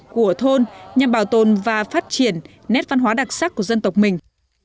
của thôn nhằm bảo tồn và phát triển nét văn hóa đặc sắc của dân tộc mình